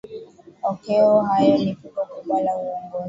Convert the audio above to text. okeo hayo ni pigo kubwa kwa uongozi